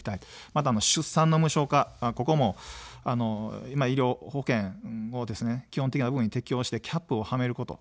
また、出産の無償化、ここも医療保険を基本的に適用してキャップをはめること。